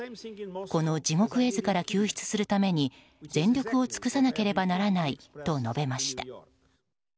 この地獄絵図から救出するために全力を尽くさなければならないと述べました。